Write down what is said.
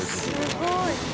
すごい。